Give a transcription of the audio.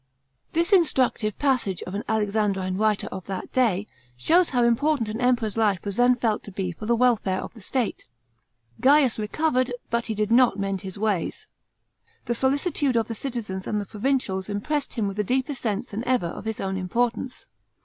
This instructive passage of an Alexandrine writer of that day, shows how important an Emperor's life was then felt to be for the welfare of the state. Gains recovered, but he di»l not mend his ways. The solicitude of the citizens and the provincials impressed him with a deeper sense than ever of his own importance.